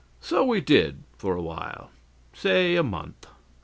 So we did for awhile say a month.